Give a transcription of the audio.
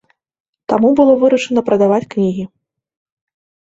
Таму было вырашана прадаваць кнігі.